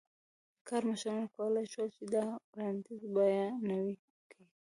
کارمشرانو کولای شول چې دا وړاندیز بیا نوی کړي.